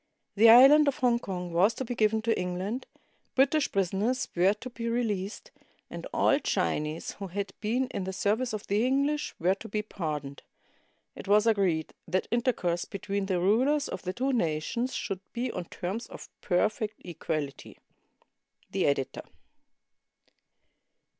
The island of Hong Kong was to be given to England; British prisoners were to be released, and all Chinese who had been in the serv ice of the English were to be pardoned. It was agreed that intercourse between the rulers of the two nations should be on terms of perfect equality. The Editor.